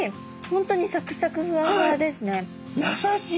本当にさくさくふわふわですね。